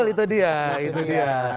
betul itu dia